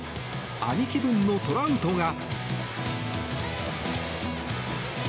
兄貴分のトラウトが。